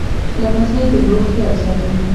لمسی د ورور خیال ساتي.